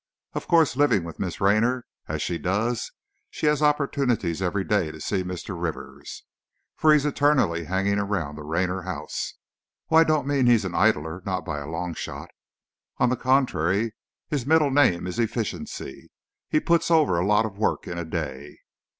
Of course, living with Miss Raynor, as she does, she has opportunities every day to see Mr. Rivers, for he's eternally hanging around the Raynor house. Oh, I don't mean he's an idler; not by a long shot. On the contrary, his middle name is efficiency! He puts over a lot of work in a day."